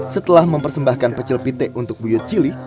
setelah mempersembahkan pecel pite untuk buyut cili